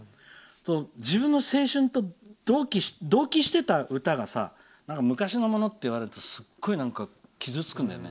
自分の青春と同期してた歌が昔のものといわれるとすごく傷つくんだよね。